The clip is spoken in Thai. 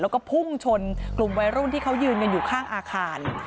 แล้วก็พุ่งชนกลุ่มวัยรุ่นที่เขายืนกันอยู่ข้างอาคาร